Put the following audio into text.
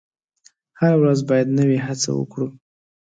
هره ورځ باید نوې هڅه وکړو.